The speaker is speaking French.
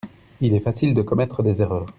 Il est facile de commettre des erreurs.